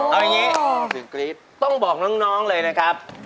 เอาอย่างนี้ต้องบอกน้องเลยนะครับ